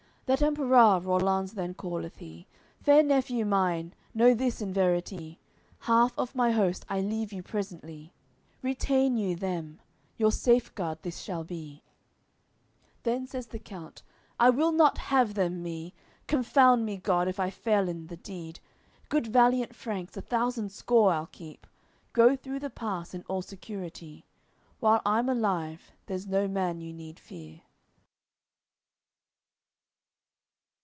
LXIII That Emperour, Rollanz then calleth he: "Fair nephew mine, know this in verity; Half of my host I leave you presently; Retain you them; your safeguard this shall be." Then says the count: "I will not have them, me I Confound me God, if I fail in the deed! Good valiant Franks, a thousand score I'll keep. Go through the pass in all security, While I'm alive there's no man you need fear."